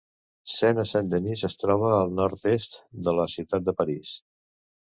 Sena Saint-Denis es troba al nord-est de la ciutat de París.